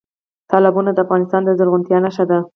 تالابونه د افغانستان د زرغونتیا نښه ده.